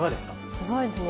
すごいですね。